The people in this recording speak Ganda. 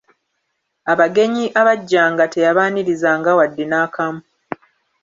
Abagenyi abajjanga teyabaanirizanga wadde n'akamu.